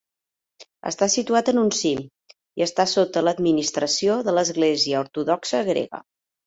Està situat en un cim i està sota l'administració de l'Església Ortodoxa Grega.